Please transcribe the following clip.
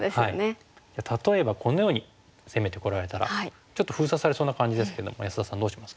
例えばこのように攻めてこられたらちょっと封鎖されそうな感じですけど安田さんどうしますか？